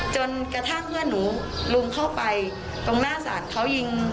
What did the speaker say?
จนกระทั่งเพื่อนหนูลุมเข้าไปตรงหน้าศาลเขายิง